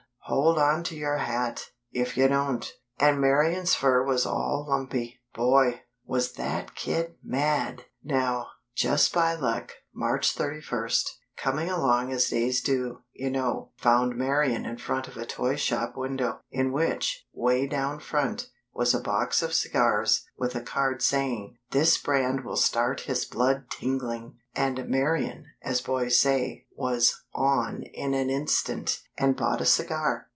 hold on to your hat, if you don't!! And Marian's fur was all lumpy. Boy! was that kid MAD!! Now, just by luck, March thirty first, coming along as days do, you know, found Marian in front of a toy shop window, in which, way down front, was a box of cigars, with a card saying: "This Brand Will Start His Blood Tingling." And Marian, as boys say, was "on" in an instant; and bought a cigar.